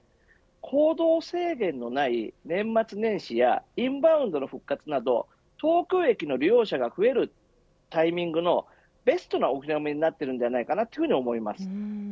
行動制限のない年末年始やインバウンドの復活など東京駅の利用者が増えるタイミングのベストなお披露目になっているのではないかと思います。